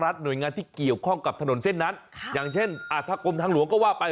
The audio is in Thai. หน่วยงานที่เกี่ยวข้องกับถนนเส้นนั้นค่ะอย่างเช่นอ่าถ้ากรมทางหลวงก็ว่าไป